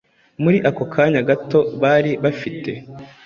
muri ako kanya gato bari bafite